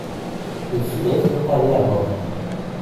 Les filets furent halés à bord.